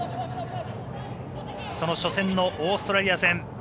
その初戦のオーストラリア戦。